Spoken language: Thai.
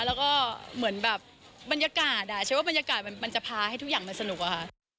แล้วก็เหมือนแบบบรรยากาศฉันว่าบรรยากาศมันจะพาให้ทุกอย่างมันสนุกอะค่ะ